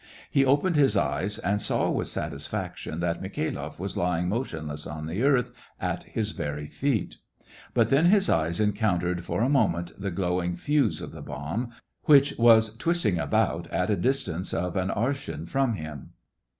He opened his eyes, and saw with satisfaction that Mikhailoff was lying motionless on the earth, at his very feet. But then his eyes encountered for a mo ment the glowing fuse of the bomb, which was twisting about at a distance of an arshin from him.